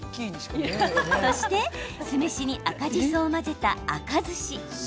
そして酢飯に赤じそを混ぜた赤ずし。